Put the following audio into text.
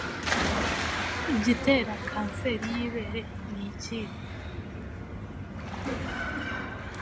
igitera kanseri y'ibere nikihe